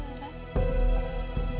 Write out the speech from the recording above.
kamu gak bisa